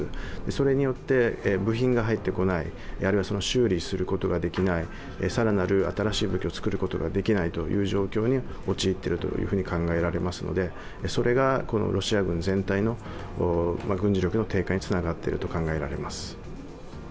それによって、部品が入ってこない修理することができない更なる新しい武器を作ることができないという状況に陥っていると考えられますのでそれが、ロシア軍全体の軍事力の低下につながっていると考えられます。